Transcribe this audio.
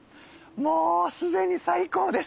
もう既に最高です。